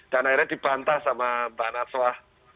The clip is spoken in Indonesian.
dan akhirnya dibantas sama mbak natswa